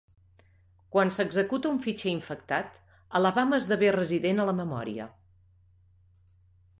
Quan s'executa un fitxer infectat, Alabama esdevé resident a la memòria.